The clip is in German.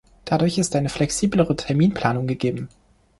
Dadurch ist eine flexiblere Terminplanung gegeben.